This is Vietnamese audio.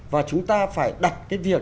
và chúng ta phải đặt cái việc